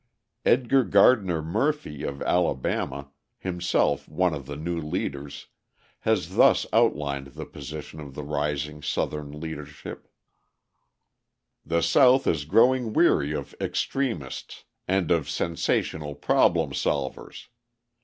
Edgar Gardner Murphy of Alabama, himself one of the new leaders, has thus outlined the position of the rising Southern leadership: "The South is growing weary of extremists and of sensational problem solvers....